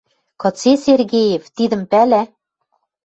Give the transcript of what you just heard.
«Кыце Сергеев? Тидӹм пӓлӓ?» —